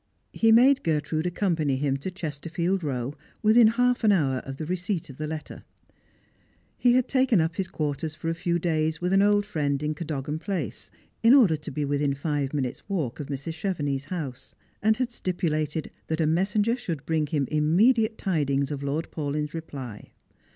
He made Gertrude accompany him to Chesterfield row within half an hour of the receipt of the letter. He had taken up hia quarters for a few daya with an old friend in Cadogan place, in atmngers and Pilgrims. 363 der to be wthin five minutes' walk of Mrs. Chevenix's house, and had stipulated that a messenger should bring him immediate tidings of Lord Paulyn's reply.